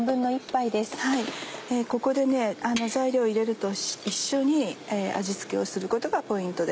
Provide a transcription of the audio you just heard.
ここで材料を入れると一緒に味付けをすることがポイントです。